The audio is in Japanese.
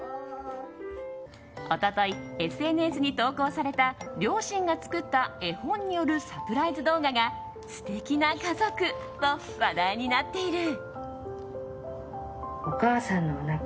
一昨日、ＳＮＳに投稿された両親が作った絵本によるサプライズ動画が、素敵な家族と話題になっている。